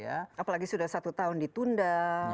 apalagi sudah satu tahun ditunda